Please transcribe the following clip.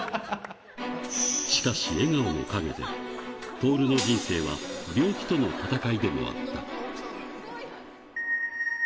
しかし笑顔の陰で、徹の人生は病気との闘いでもあった。